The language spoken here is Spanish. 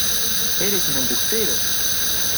¡ Eres un embustero!